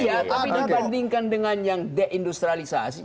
iya tapi dibandingkan dengan yang deindustrialisasi